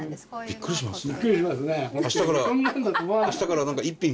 びっくりしますね。